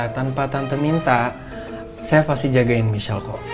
tanpa tante minta saya pasti jagain michel kok